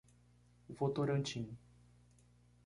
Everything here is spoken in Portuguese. Votorantim